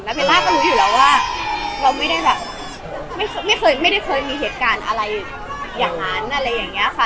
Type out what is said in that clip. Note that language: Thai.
เบลล่าก็รู้อยู่แล้วว่าเราไม่ได้แบบไม่เคยไม่ได้เคยมีเหตุการณ์อะไรอย่างนั้นอะไรอย่างนี้ค่ะ